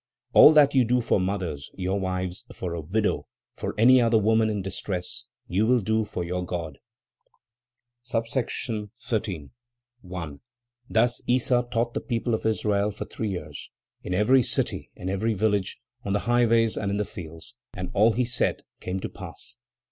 All that you do for your mothers, your wives, for a widow, or for any other woman in distress, you will do for your God." XIII. 1. Thus Saint Issa taught the people of Israel for three years, in every city and every village, on the highways and in the fields, and all he said came to pass.